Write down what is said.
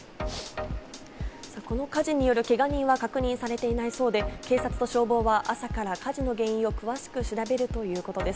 この火事によるけが人は確認されていないそうで、警察と消防は、朝から火事の原因を詳しく調べるということです。